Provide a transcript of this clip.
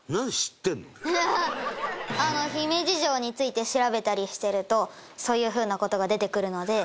姫路城について調べたりしてるとそういう風な事が出てくるので。